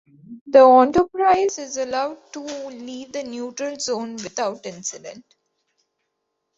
The "Enterprise" is allowed to leave the Neutral Zone without incident.